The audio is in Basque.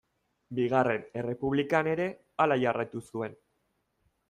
Bigarren Errepublikan ere hala jarraitu zuen.